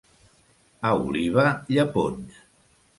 A Oliva, llepons.